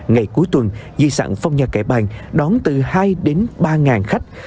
ngày cuối tuần di sẵn phong nhà cải bản đón từ hai ba ngàn khách